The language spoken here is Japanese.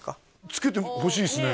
つけてほしいっすね